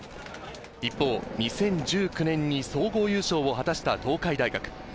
一方、２０１９年に総合優勝を果たした東海大学。